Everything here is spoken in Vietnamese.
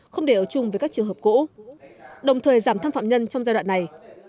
không để ở chung với các trường hợp cũ đồng thời giảm tham phạm nhân trong giai đoạn này